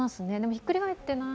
ひっくり返ってない。